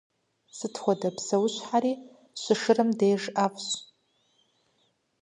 Сыт хуэдэ псэущхьэри щышырым деж ӏэфӏщ.